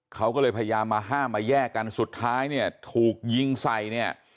เขาก็เลยพยายามมาห้ามมาแยกกันสุดท้ายเนี่ยถูกยิงใส่เนี่ย